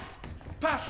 パス！